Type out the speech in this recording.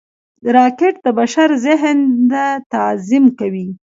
راکټ د بشر ذهن ته تعظیم کوي